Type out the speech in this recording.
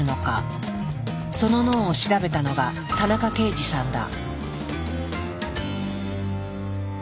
その脳を調べたのが田中啓治さんだ。